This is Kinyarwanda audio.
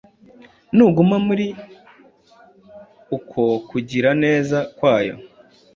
nuguma muri uko kugira neza kwayo: